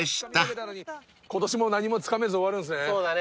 今年も何もつかめず終わるんですね。